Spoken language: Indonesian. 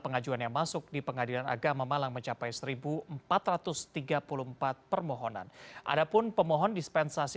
pengajuan yang masuk di pengadilan agama malang mencapai seribu empat ratus tiga puluh empat permohonan ada pun pemohon dispensasi